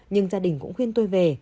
nhưng gia đình cũng khuyên tôi về